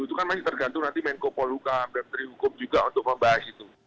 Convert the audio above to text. itu kan masih tergantung nanti menko polhukam dan menteri hukum juga untuk membahas itu